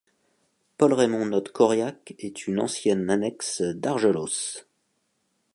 Paul Raymond note qu'Auriac est une ancienne annexe d'Argelos.